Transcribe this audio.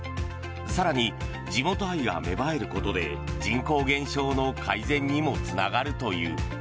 更に、地元愛が芽生えることで人口減少の改善にもつながるという。